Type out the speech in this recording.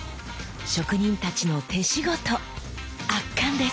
職人たちの手仕事圧巻です！